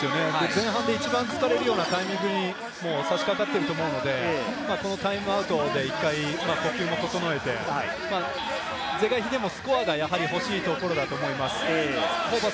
前半で一番疲れるようなタイミングに差し掛かっていると思うので、このタイムアウトで一回、呼吸を整えて是が非でもスコアが欲しいところだと思います。